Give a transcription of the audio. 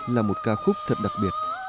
là một ca khúc thật đặc biệt